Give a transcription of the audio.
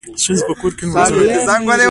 ښځي په کور کي لمونځونه کوي.